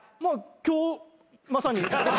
今日まさに。